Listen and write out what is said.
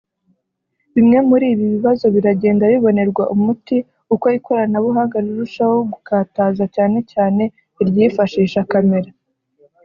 Bimwe muri ibi bibazo biragenda bibonerwa umuti uko ikoranabuhanga rirushaho gukataza cyane cyane iryifashisha camera